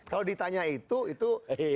kalau ditanya itu itu